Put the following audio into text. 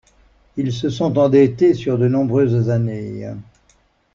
Ils se sont endettés sur de nombreuses années.